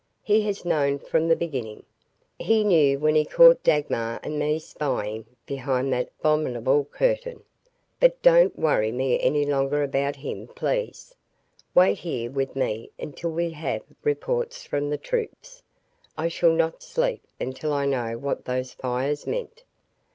He has known from the beginning. He knew when he caught Dagmar and me spying behind that abominable curtain. But don't worry me any longer about him, please. Wait here with me until we have reports from the troops. I shall not sleep until I know what those fires meant.